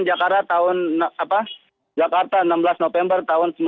di jakarta enam belas november seribu sembilan ratus sembilan puluh empat